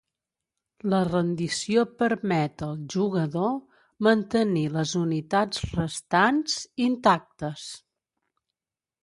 La rendició permet al jugador mantenir les unitats restants intactes.